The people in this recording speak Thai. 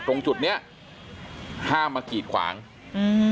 ตรงจุดเนี้ยห้ามมากีดขวางอืม